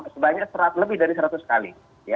sebanyak lebih dari seratus kali